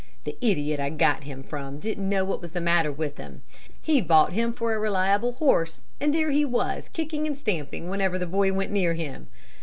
The idiot I got him from didn't know what was the matter with him. He'd bought him for a reliable horse, and there he was, kicking and stamping whenever the boy went near him.